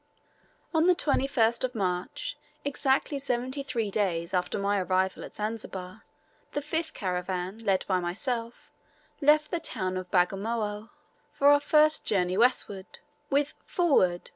On the 21st of March, exactly seventy three days after my arrival at Zanzibar, the fifth caravan, led by myself, left the town of Bagamoyo for our first journey westward, with "Forward!"